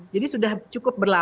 jadi sudah cukup berlaku